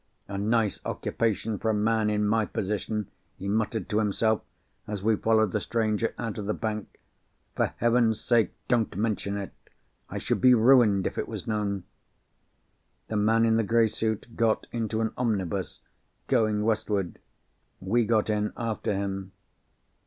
A nice occupation for a man in my position," he muttered to himself, as we followed the stranger out of the bank. "For Heaven's sake don't mention it. I should be ruined if it was known." The man in the grey suit got into an omnibus, going westward. We got in after him.